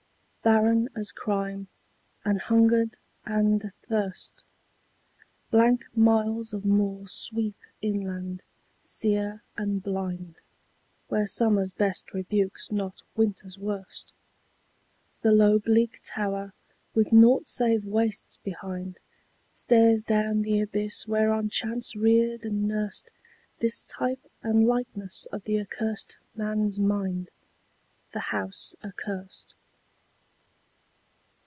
Barren as crime, anhungered and athirst, Blank miles of moor sweep inland, sere and blind, Where summer's best rebukes not winter's worst. The low bleak tower with nought save wastes behind Stares down the abyss whereon chance reared and nursed This type and likeness of the accurst man's mind, The house accurst.